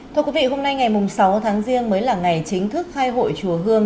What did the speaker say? thưa quý vị hôm nay ngày sáu tháng riêng mới là ngày chính thức khai hội chùa hương